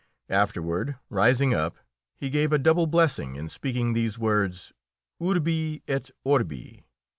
Afterward, rising up, he gave a double blessing in speaking these words, "Urbi et Orbi."